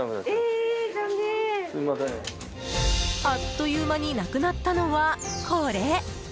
あっという間になくなったのは、これ。